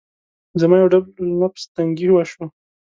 زما يو ډول نفس تنګي وشوه.